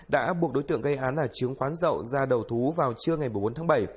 đã buộc đối tượng gây án là trướng quán rậu ra đầu thú vào trưa ngày bốn tháng bảy